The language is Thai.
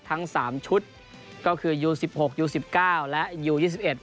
ทั้งสามชุดก็คือยูสิบหกยูสิบเก้าและยูยี่สิบเอ็ด